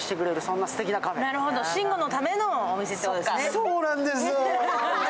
そうなんです。